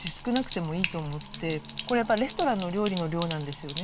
これやっぱりレストランのお料理の量なんですよね。